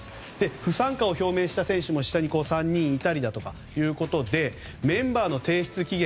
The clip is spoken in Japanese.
不参加を表明した選手も３人いたりだとかメンバーの提出期限